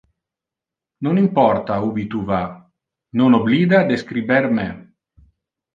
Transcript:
Non importa ubi tu va, non oblida de scriber me.